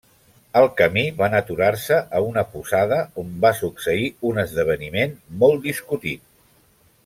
Al camí, van aturar-se a una posada, on va succeir un esdeveniment molt discutit.